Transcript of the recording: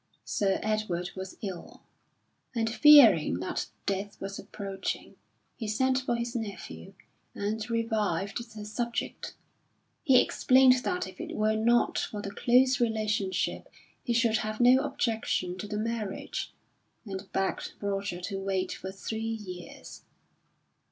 Sir Edward was ill and, fearing that death was approaching, he sent for his nephew and revived the subject. He explained that if it were not for the close relationship he should have no objection to the marriage and begged Roger to wait for three years.